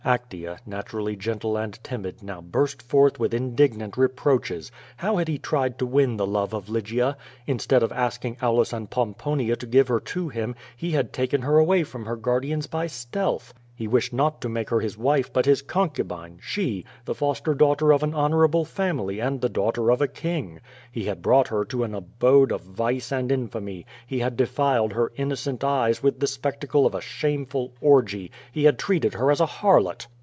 Actea, naturally gentle and timid, now burst forth with indignant reproaches. How had he tried to win the love of Lygia? Instead of asking Aulus and Pomponia to give her to him, he had taken her away from her guardians by stealth. He wished not to make her his w^ife but his concubine, she, the foster daughter of an honorable family and the daughter of a king. He had brought her to an abode of vice and in famy, he had defiled her innocent eyes with the spectacle of a shameful orgy, he had treated her as a harlot.